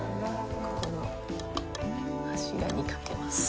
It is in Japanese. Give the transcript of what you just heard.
ここの柱に掛けます。